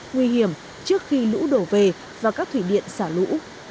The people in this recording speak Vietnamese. nguy hiểm trước khi lũ đổ về và các thủy điện xả lũ